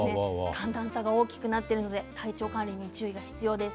寒暖差が大きくなっているので体調管理にも注意が必要です。